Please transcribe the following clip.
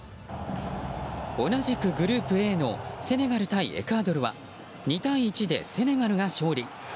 同じくグループＡのセネガル対エクアドルは２対１でセネガルが勝利。